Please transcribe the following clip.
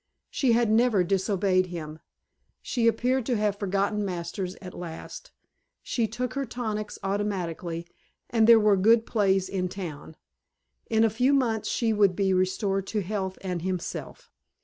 She had never disobeyed him, she appeared to have forgotten Masters at last, she took her tonics automatically, and there were good plays in town. In a few months she would be restored to health and himself.